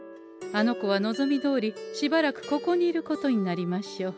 あの子は望みどおりしばらくここにいることになりましょう。